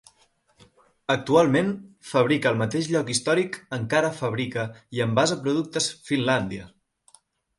Actualment, fàbrica al mateix lloc històric encara fabrica i envasa productes Finlandia.